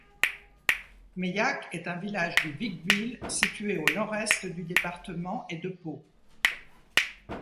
Meillac est un village du Vic-Bilh, situé au nord-est du département et de Pau.